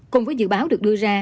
cùng với dự báo được đưa ra